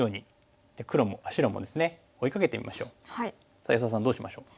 さあ安田さんどうしましょう？